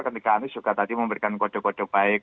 ketika anies juga tadi memberikan kode kode baik